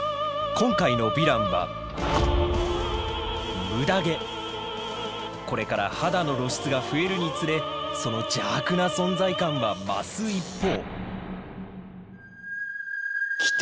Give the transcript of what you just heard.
今回の「ヴィラン」はこれから肌の露出が増えるにつれその邪悪な存在感は増す一方！